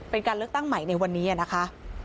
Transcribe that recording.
เป็นการเลือกตั้งใหม่ในวันนี้นะคะ